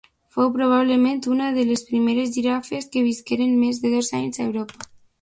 Fou probablement una de les primeres girafes que visqueren més de dos anys a Europa.